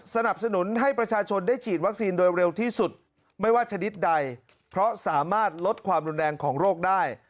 สนับสนุนให้ประชาชนได้ฉีดวัคซีนโดยเร็วที่สุดไม่ว่าชนิดใดเพราะสามารถลดความรุนแรงของโรคได้